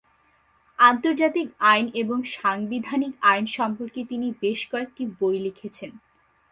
আন্তর্জাতিক আইন এবং সাংবিধানিক আইন সম্পর্কে তিনি বেশ কয়েকটি বই লিখেছেন।